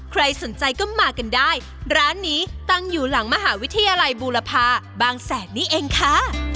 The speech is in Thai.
ใครสนใจก็มากันได้ร้านนี้ตั้งอยู่หลังมหาวิทยาลัยบูรพาบางแสนนี่เองค่ะ